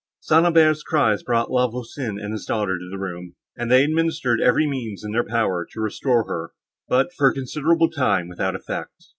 St. Aubert's cries brought La Voisin and his daughter to the room, and they administered every means in their power to restore her, but, for a considerable time, without effect.